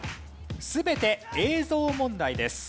全て映像問題です。